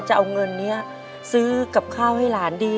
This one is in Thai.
จะเอาเงินนี้ซื้อกับข้าวให้หลานดี